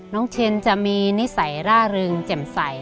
เชนจะมีนิสัยร่าเริงแจ่มใส